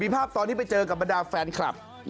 ภาพตอนที่ไปเจอกับบรรดาแฟนคลับ